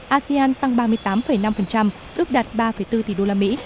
asean tăng ba mươi tám năm ước đạt ba bốn tỷ usd